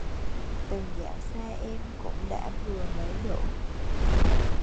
Từ dạo xa em cũng đã vừa mấy độ